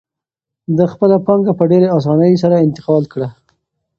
ده خپله پانګه په ډېرې اسانۍ سره انتقال کړه.